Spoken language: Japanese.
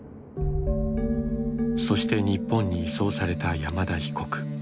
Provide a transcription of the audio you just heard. そして日本に移送された山田被告。